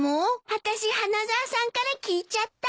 あたし花沢さんから聞いちゃった。